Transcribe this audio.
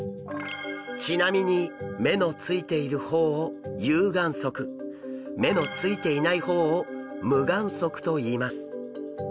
ちなみに目のついている方を有眼側目のついていない方を無眼側といいます。